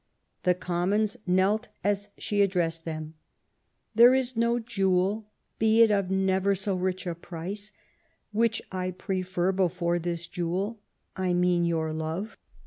The Commons knelt as she addressed them :There is no jewel, be it of never so rich a price, which I prefer before this jewel, I mean your love.